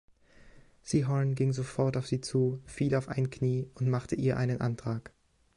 Sehorn ging sofort auf sie zu, fiel auf ein Knie und machte ihr einen Antrag.